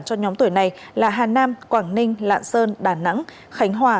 cho nhóm tuổi này là hà nam quảng ninh lạng sơn đà nẵng khánh hòa